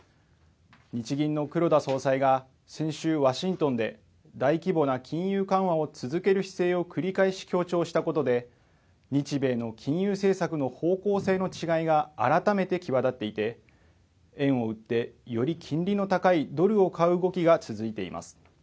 日銀の黒田総裁が先週、ワシントンで大規模な金融緩和を続ける姿勢を繰り返し強調したことで日米の金融政策の方向性の違いが改めて際立っていて円を売ってより金利の高いドルを買う動きが続いています。